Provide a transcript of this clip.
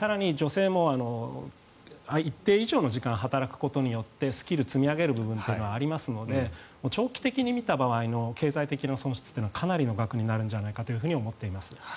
更に、女性も一定以上の時間働くことによってスキルを積み上げることがありますので長期的に見ると経済的な損失というのはかなりの額になるんじゃないかと思っています。